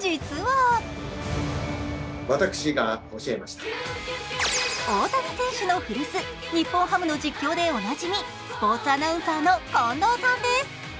実は大谷選手の古巣、日本ハムの実況でおなじみスポーツアナウンサーの近藤さんです。